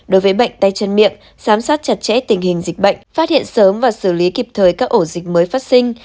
đối với bệnh tay chân miệng giám sát chặt chẽ tình hình dịch bệnh phát hiện sớm và xử lý kịp thời các ổ dịch mới phát sinh